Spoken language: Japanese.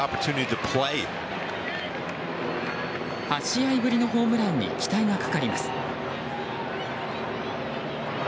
８試合ぶりのホームランに期待がかかります。